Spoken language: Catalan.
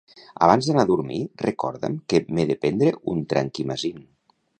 Abans d'anar a dormir recorda'm que m'he de prendre un Trankimazin.